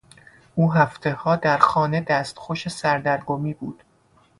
او هفتهها در خانه دستخوش سردرگمی بود.